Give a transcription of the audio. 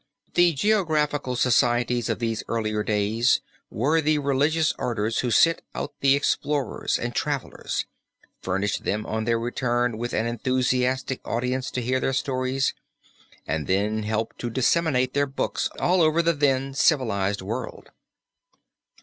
The geographical societies of these earlier days were the religious orders who sent but the explorers and travelers, furnished them on their return with an enthusiastic audience to hear their stories, and then helped to disseminate their books all over the then civilized world.